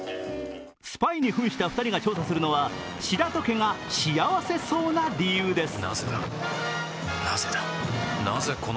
スパイに扮した２人が調査するのは白戸家が幸せそうな理由です。